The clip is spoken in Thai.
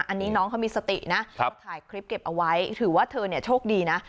อันนี้น้องเขามีสตินะถ่ายคลิปเก็บเอาไว้ถือว่าเธอเนี่ยโชคดีนะ